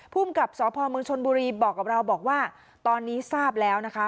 ภูมิกับสพเมืองชนบุรีบอกกับเราบอกว่าตอนนี้ทราบแล้วนะคะ